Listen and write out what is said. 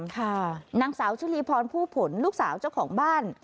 ค่ะนางสาวชุลีพรผู้ผลลูกสาวเจ้าของบ้าน